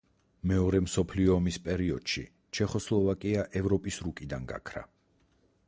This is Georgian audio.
მეორე მსოფლიო ომის პერიოდში ჩეხოსლოვაკია ევროპის რუკიდან გაქრა.